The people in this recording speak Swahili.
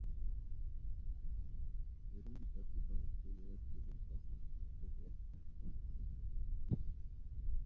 kurudi katika mfumo wa kidemokrasia na viongozi watachukua hatua zinazostahiki